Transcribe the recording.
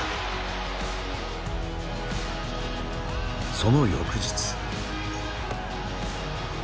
その翌日。